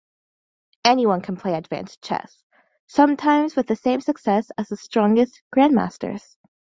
Anyone can play Advanced Chess, sometimes with the same success as the strongest grandmasters.